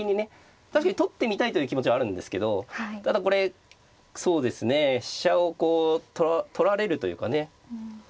確かに取ってみたいという気持ちはあるんですけどただこれそうですね飛車をこう取られるというかね